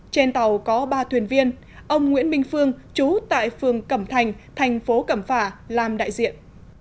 trên tàu có ba thuyền viên ông nguyễn minh phương chú tại phường cẩm thành thành phố cẩm phả làm đại diện